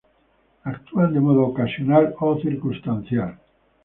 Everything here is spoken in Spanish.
Actúan de modo ocasional o circunstancial.